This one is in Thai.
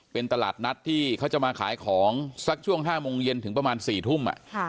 เป็นตลาดนัดที่เขาจะมาขายของสักช่วง๕โมงเย็นถึงประมาณ๔ทุ่ม